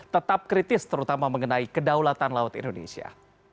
tetap kritis terutama mengenai kedaulatan laut indonesia